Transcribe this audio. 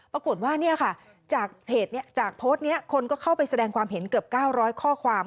ปรากฏว่าเนี่ยค่ะจากโพสต์นี้คนก็เข้าไปแสดงความเห็นเกือบ๙๐๐ข้อความ